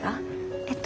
えっと。